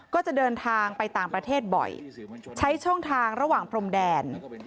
ก็จะเดินทางไปต่างประเทศบ่อยใช้ช่องทางระหว่างพรมแดน